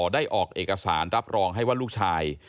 ได้ออกเอกสารรับรองให้ว่าลูกชาย